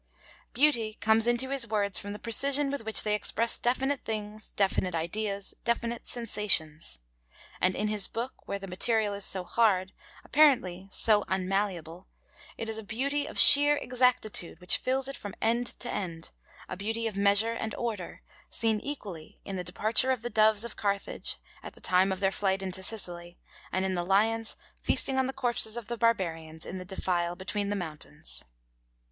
Beauty comes into his words from the precision with which they express definite things, definite ideas, definite sensations. And in his book, where the material is so hard, apparently so unmalleable, it is a beauty of sheer exactitude which fills it from end to end, a beauty of measure and order, seen equally in the departure of the doves of Carthage, at the time of their flight into Sicily, and in the lions feasting on the corpses of the Barbarians, in the defile between the mountains.